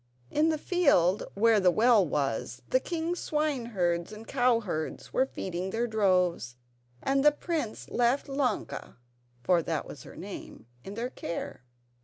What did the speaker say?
In the field where the well was, the king's swineherds and cowherds were feeding their droves, and the prince left Ilonka (for that was her name) in their care.